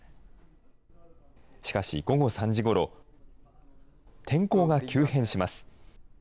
しかし午後３時ごろ、天候が急変します。